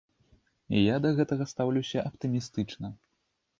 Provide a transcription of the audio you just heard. Я да гэтага стаўлюся аптымістычна.